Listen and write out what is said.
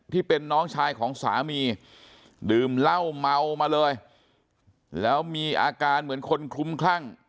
ที่เป็นน้องชายของสามีดื่มเหล้าเมามาเลยแล้วมีอาการเหมือนคนคลุ้มคลั่ง